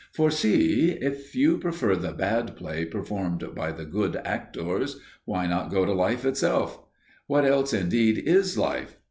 For see! If you prefer the bad play performed by the good actors, why not go to life itself? What else, indeed, is life?